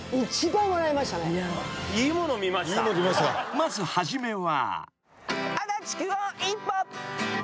［まず初めは］